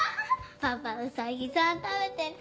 パパうさぎさん食べてる。